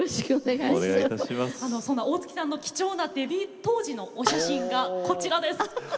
大月さんの貴重なデビュー当時のお写真が、こちらです。